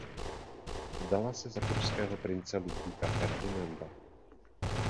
Vdala se za pruského prince Ludvíka Ferdinanda.